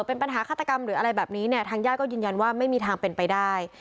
เป็นปัญหาฆาตกรรมหรืออะไรแบบนี้เนี่ยทางญาติก็ยืนยันว่าไม่มีทางเป็นไปได้